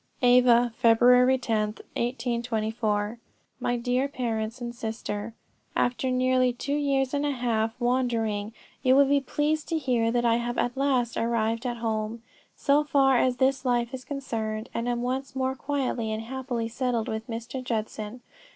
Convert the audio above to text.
"Ava, February, 10, 1824. "My Dear Parents and Sisters, After nearly two years and a half wandering, you will be pleased to hear that I have at last arrived at home, so far as this life is concerned, and am once more quietly and happily settled with Mr. Judson.